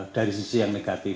dari sisi yang negatif